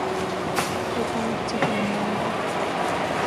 weka mafuta kwenye unga